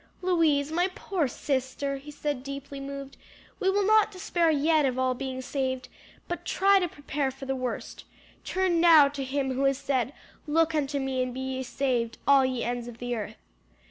"Louise, my poor sister," he said, deeply moved, "we will not despair yet of all being saved; but try to prepare for the worst, turn now to him who has said, Look unto me and be ye saved all ye ends of the earth."